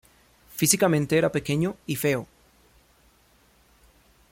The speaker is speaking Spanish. Físicamente era pequeño y feo.